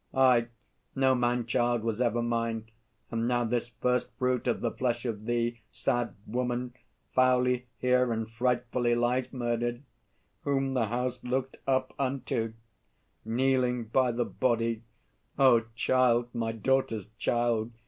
Aye, no man child was ever mine; And now this first fruit of the flesh of thee, Sad woman, foully here and frightfully Lies murdered! Whom the house looked up unto, [Kneeling by the body. O Child, my daughter's child!